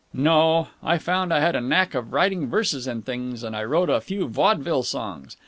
"No. I found I had a knack of writing verses and things, and I wrote a few vaudeville songs.